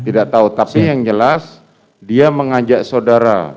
tidak tahu tapi yang jelas dia mengajak saudara